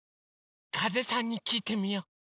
かぜさんにきいてみよう！